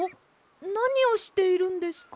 なにをしているんですか？